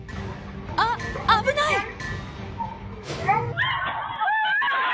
あっ、危ない！